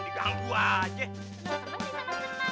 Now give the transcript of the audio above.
ampe kaki gua semutan